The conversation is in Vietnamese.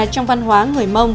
trong văn hóa người mông